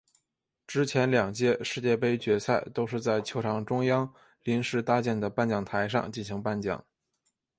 之前两届世界杯决赛都是在球场中央临时搭建的颁奖台上进行颁奖。